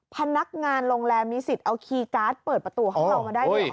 พนักงานโรงแรมมีสิทธิ์เอาคีย์การ์ดเปิดประตูห้องเรามาได้ไหมคะ